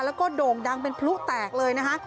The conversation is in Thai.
แล้วก็โด่งดังเป็นพลุแตกเลยนะคะ